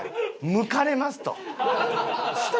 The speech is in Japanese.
「剥かれます」と。